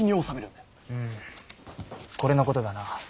うんこれのことだな。